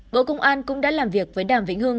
bộ công an cũng đã làm việc với đàm vĩnh hương